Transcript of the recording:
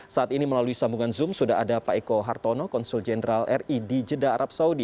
saat ini melalui sambungan zoom sudah ada pak eko hartono konsul jenderal ri di jeddah arab saudi